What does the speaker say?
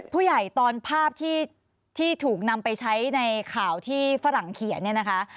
ตอนภาพที่ถูกนำไปใช้ในข่าวที่ฝรั่งเขียนเนี่ยนะคะ